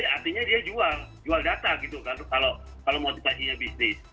artinya dia jual jual data gitu kalau motivasinya bisnis